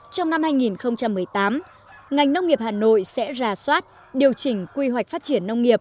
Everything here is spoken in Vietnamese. trong năm hai nghìn một mươi tám ngành nông nghiệp hà nội sẽ ra soát điều chỉnh quy hoạch phát triển nông nghiệp